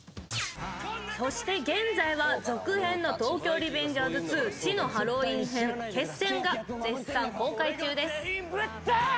そして現在は続編の『東京リベンジャーズ２血のハロウィン編−決戦−』が絶賛公開中です。